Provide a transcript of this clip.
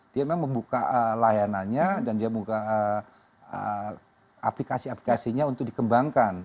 dia memang membuka layanannya dan dia membuka aplikasi aplikasinya untuk dikembangkan